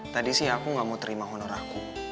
tadi sih aku gak mau terima honor aku